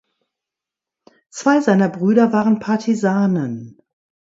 Zwei seiner Brüder waren Partisanen.